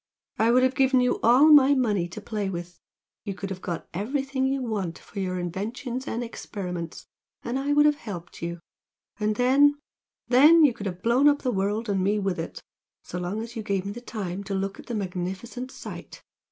I would have given you all my money to play with, you could have got everything you want for your inventions and experiments, and I would have helped you, and then then you could have blown up the world and me with it, so long as you gave me time to look at the magnificent sight!